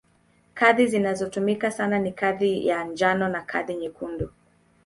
Kadi zinazotumika sana ni kadi ya njano na kadi nyekundu.